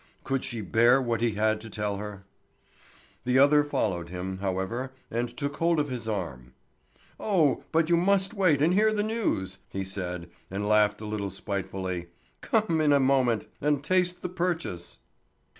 Could she bear what he had to tell her? The other followed him, however, and took hold of his arm. "Oh, but you must wait and hear the news!" he said, and laughed a little spitefully. "Come in a moment, and taste the purchase."